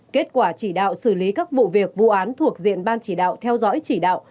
kết quả chỉ đạo xử lý các vụ việc vụ án thuộc diện ban chỉ đạo theo dõi chỉ đạo